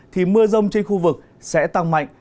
thì mưa rông trên khu vực sẽ tăng mạnh